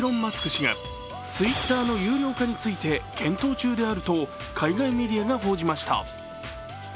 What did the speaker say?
氏がＴｗｉｔｔｅｒの有料化について検討中であると海外メディアが報じました。